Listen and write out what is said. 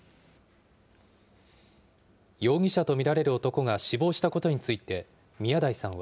容疑者と見られる男が死亡したことについて、宮台さんは。